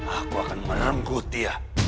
aku akan menanggut dia